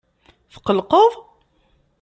Tqelqeḍ?